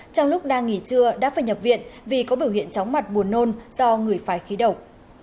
trong lúc đang nghỉ trưa đã phải nhập viện vì có biểu hiện chóng mặt buồn nôn do người phải khí độc